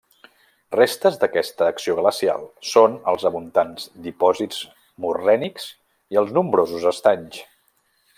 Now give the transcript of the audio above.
Restes d’aquesta acció glacial són els abundants dipòsits morrènics i els nombrosos estanys.